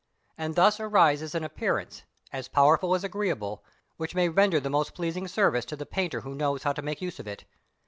And thus arises an appearance, as powerful as agreeable, which may render the most pleasing service to the painter who knows how to make use of it.